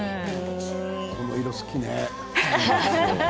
その色、好きね。